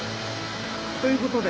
ということで。